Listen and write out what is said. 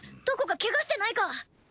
どこかケガしてないか？